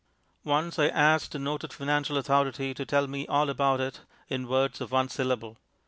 Once I asked a noted financial authority to tell me all about it in words of one syllable.